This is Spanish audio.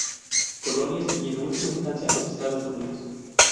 Colonias, y en última instancia, los Estados Unidos.